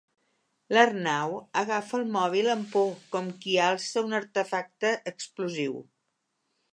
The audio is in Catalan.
L'Arnau agafa el mòbil amb por, com qui alça un artefacte explosiu.